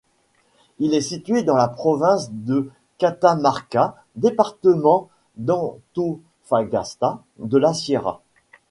Il est situé dans la province de Catamarca, département d'Antofagasta de la Sierra.